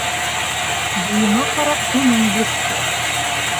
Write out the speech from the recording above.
Буйыңа ҡарап туның бес.